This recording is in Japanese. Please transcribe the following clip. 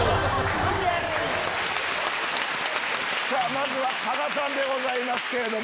まずは鹿賀さんでございますけれども。